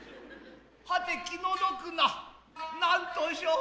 はて気の毒な何んとせう。